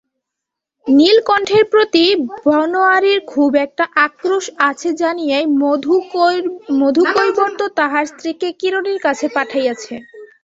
নীলকণ্ঠের প্রতি বনোয়ারির খুব একটা আক্রোশ আছে জানিয়াই মধুকৈবর্ত তাহার স্ত্রীকে কিরণের কাছে পাঠাইয়াছে।